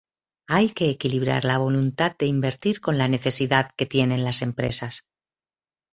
Hay que equilibrar la voluntad de invertir con la necesidad que tienen las empresas.